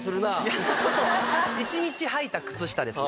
１日はいた靴下ですね